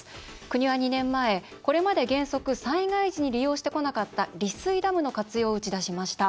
国は２年前、これまで原則災害時に利用してこなかった利水ダムの活用を打ち出しました。